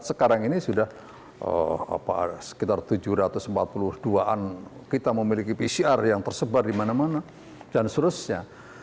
sekarang ini sudah sekitar tujuh ratus empat puluh dua an kita memiliki pcr yang tersebar di mana mana dan seterusnya